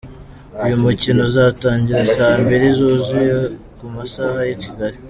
Uyu mukino uzatangira Saa mbiri zuzuye ku masaha y'i Kigali.